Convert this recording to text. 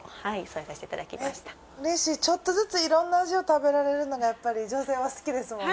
うれしいちょっとずついろんな味を食べられるのがやっぱり女性は好きですもんね。